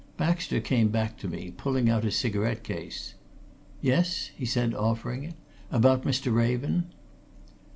Baxter came back to me, pulling out a cigarette case. "Yes?" he said, offering it. "About Mr. Raven?"